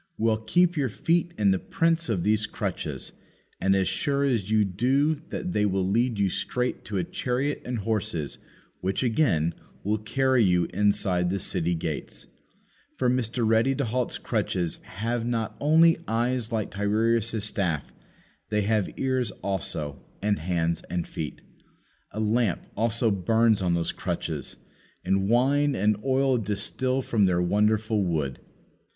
Well, keep your feet in the prints of these crutches, and as sure as you do that they will lead you straight to a chariot and horses, which, again, will carry you inside the city gates. For Mr. Ready to halt's crutches have not only eyes like Tiresias' staff, they have ears also, and hands and feet. A lamp also burns on those crutches; and wine and oil distil from their wonderful wood.